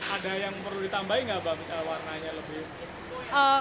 ada yang perlu ditambahin nggak mbak bisa warnanya lebih